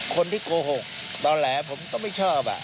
คนที่โกหกเบาแหลผมก็ไม่ชอบ